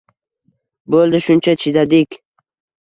Bo`ldi, shuncha chidadik